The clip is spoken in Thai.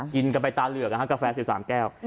กินกันไปตาเหลือกกาแฟ๑๓แก้ว